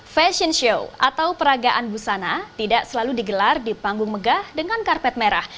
fashion show atau peragaan busana tidak selalu digelar di panggung megah dengan karpet merah